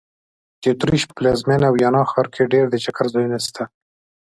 د اوترېش په پلازمېنه ویانا ښار کې ډېر د چکر ځایونه سته.